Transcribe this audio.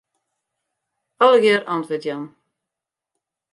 Allegearre antwurd jaan.